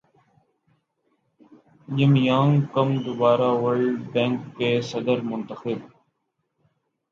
جم Yong Kim دوبارہ World Bank کے صدر منتخب